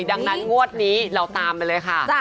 ดังนั้นงวดนี้เราตามไปเลยค่ะ